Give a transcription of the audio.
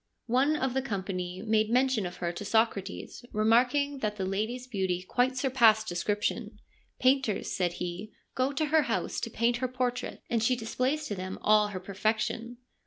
One of the company made mention of her to Socrates, remarking that the lady's beauty quite surpassed description. ' Painters,' said he, ' go to her house to paint her portrait, and she displays to them all her perfection